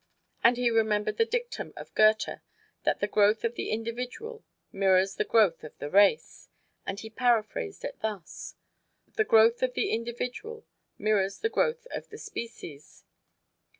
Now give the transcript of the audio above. And he remembered the dictum of Goethe, that the growth of the individual mirrors the growth of the race. And he paraphrased it thus: "The growth of the individual mirrors the growth of the species."